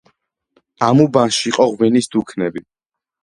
ამ უბანში იყო ღვინის დუქნები.